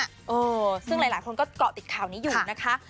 เออซึ่งหลายคนก็เกาะติดข่าวนี้อยู่นะคะ